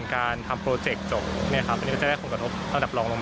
การทำโปรเจกต์โจทย์